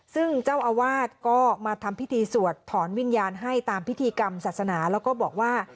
ซึ่งเจ้าอาวาสก็มาทำพิธีสวดถอนวิญญาณให้ตามพิธีกรรมศาสนาแล้วก็บอกว่า